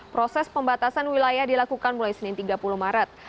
proses pembatasan wilayah dilakukan mulai senin tiga puluh maret